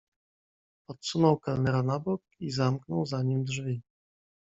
"Odsunął kelnera na bok i zamknął za nim drzwi."